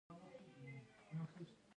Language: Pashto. د ننګرهار په اچین کې د تالک کانونه دي.